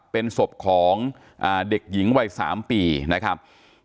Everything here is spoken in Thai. เป็นศพของเด็กหญิงวัย๓ปีนะครับ